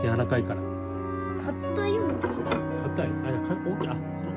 かたいよ。